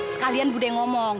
sekalian bu deh ngomong